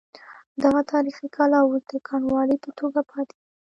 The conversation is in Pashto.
دغه تاریخي کلا اوس د کنډوالې په توګه پاتې ده.